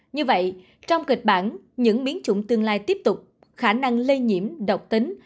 như vậy trong kịch bản những biến chủng tương lai tiếp tục khả năng lây nhiễm độc tính